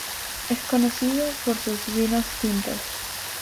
Es conocido por sus vinos tintos.